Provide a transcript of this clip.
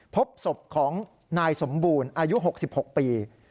พบศพของนายสมบูรณ์อายุ๖๖ปี